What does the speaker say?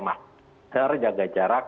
masker jaga jarak